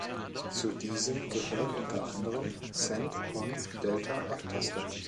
Zu diesen gehört unter anderem Send-on-Delta-Abtastung.